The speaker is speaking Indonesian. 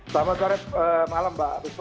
selamat malam mbak